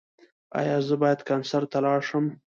ایا زه باید کنسرت ته لاړ شم؟